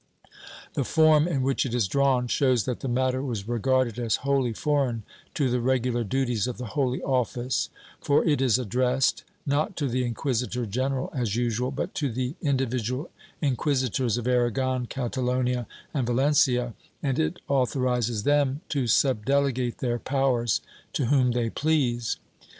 The form in which it is drawn shows that the matter was regarded as wholly foreign to the regular duties of the Holy Office, for it is addressed, not to the inquisitor general as usual, but to the individual inquisi tors of Aragon, Catalonia and Valencia, and it authorizes them to sub delegate their powers to whom they please.